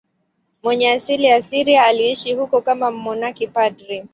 Mwenye asili ya Syria, aliishi huko kama mmonaki padri.